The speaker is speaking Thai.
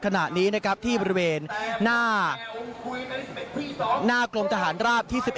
ขณะนี้นะครับที่บริเวณหน้ากรมทหารราบที่๑๑